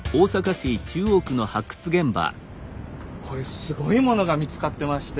これすごいものが見つかってまして